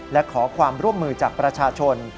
และขอความร่วมมือจากประชาชน